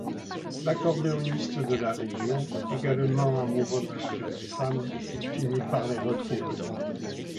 L'accordéoniste de la région, également amoureux de la jeune femme, finit par les retrouver.